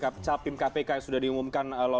saya biarkan di slaik jerat di judgments wkb